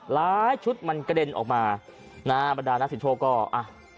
หลายชุดมันกระเด็นออกมานะฮะบรรดานักสินโชคก็อ่ะ